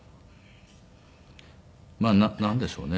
まあなんでしょうね。